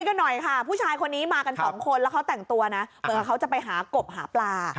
กันหน่อยค่ะผู้ชายคนนี้มากันสองคนแล้วเขาแต่งตัวนะเหมือนกับเขาจะไปหากบหาปลา